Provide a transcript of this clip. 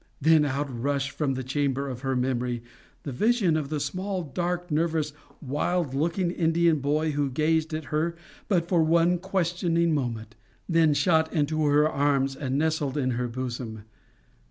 Then out rushed from the chamber of her memory the vision of the small dark nervous wild looking Indian boy who gazed at her but for one questioning moment, then shot into her arms and nestled in her bosom.